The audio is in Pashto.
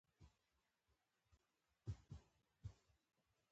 سمه بڼه یې په خپلو کتابچو کې ولیکئ په پښتو ژبه.